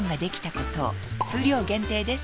数量限定です